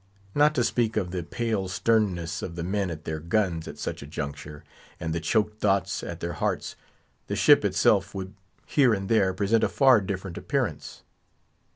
Not to speak of the pale sternness of the men at their guns at such a juncture, and the choked thoughts at their hearts, the ship itself would here and there present a far different appearance.